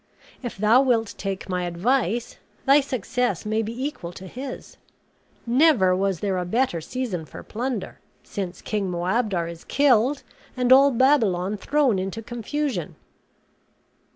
If thou wilt take my advice thy success may be equal to his; never was there a better season for plunder, since King Moabdar is killed, and all Babylon thrown into confusion."